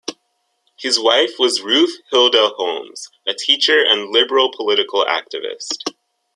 His wife was Ruth Hilda Holmes, a teacher and liberal political activist.